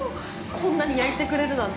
こんなに焼いてくれるなんて。